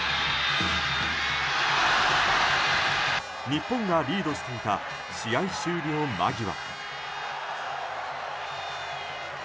日本がリードしていた試合終了間際。